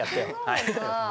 はい。